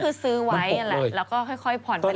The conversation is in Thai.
ก็คือซื้อไว้ล่ะแล้วก็ค่อยผ่อนไปเรื่อย